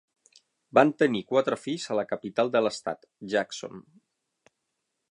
Van tenir quatre fills a la capital de l'estat, Jackson.